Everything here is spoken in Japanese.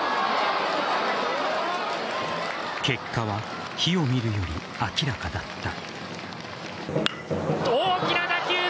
結果は火を見るより明らかだった。